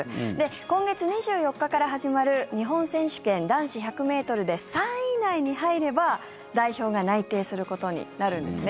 今月２４日から始まる日本選手権男子１００ｍで３位以内に入れば、代表が内定することになるんですね。